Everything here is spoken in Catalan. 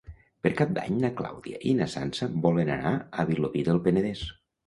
Per Cap d'Any na Clàudia i na Sança volen anar a Vilobí del Penedès.